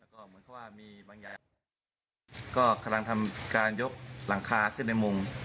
ก็กำลังทำการยกหลังคาขึ้นในมุม